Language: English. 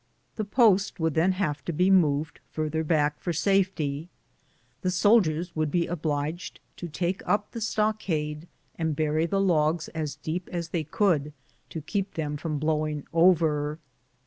The post would then have to be moved farther back for safety. The soldiers would be obliged to take up the stockade, and bury the logs as deep as they could to keep them from blowing over.